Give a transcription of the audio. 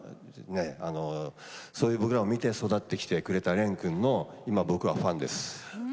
そういう僕らを見て育ってくれた川尻蓮君の僕はファンですよ。